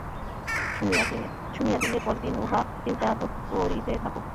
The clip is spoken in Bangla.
শুনিয়া দিনের পর দিন উহা চিন্তা করিতে থাক।